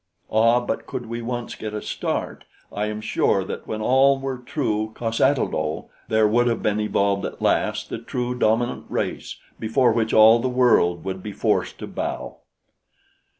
"Ah, but could we once get a start, I am sure that when all were true cos ata lo there would have been evolved at last the true dominant race before which all the world would be forced to bow."